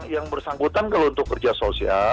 yang bersangkutan kalau untuk kerja sosial